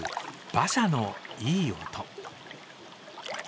馬車のいい音。